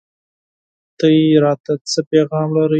تاسو راته څه پيغام لرئ